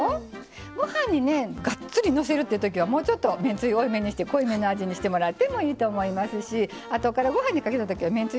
ご飯にがっつりのせるってときはもうちょっとめんつゆ多めに濃いめの味にしてもらってもいいと思いますしあとからご飯にかけたときはめんつゆちょっと足すだけ。